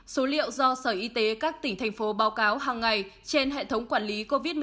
số liệu do sở y tế các tỉnh thành phố báo cáo hàng ngày trên hệ thống quản lý covid một mươi chín